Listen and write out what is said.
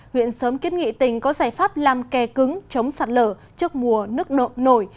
huyện sớm kiết nghị tình có giải pháp làm kè cứng chống sạt lở trước mùa nước nộp nổi